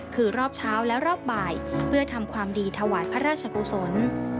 คือรอบเช้าและรอบบ่ายเพื่อทำความดีถวายพระราชกุศล